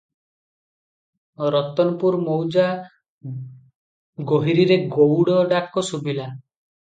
ରତନପୁର ମୌଜା ଗୋହିରୀରେ ଗଉଡ଼ ଡାକ ଶୁଭିଲା ।